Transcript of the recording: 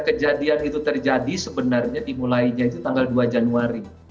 kejadian itu terjadi sebenarnya dimulainya itu tanggal dua januari